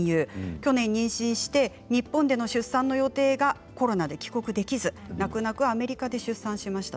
去年、妊娠して日本での出産の予定が、コロナで帰国できず泣く泣くアメリカで出産しました。